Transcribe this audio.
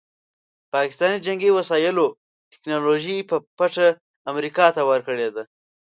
پاکستان جنګي وسایلو ټیکنالوژي په پټه امریکا ته ورکړې ده.